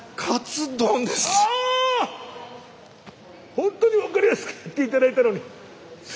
本当に分かりやすくやって頂いたのにすみません！